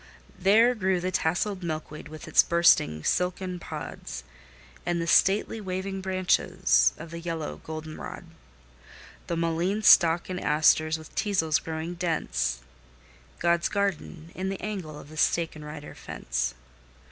There grew the tasseled milkweed with its bursting silken pods, And the stately, waving branches of the yellow goldenrod; The mullein stalk and asters, with teasels growing dense, God's garden, in the angle of the stake and rider fence.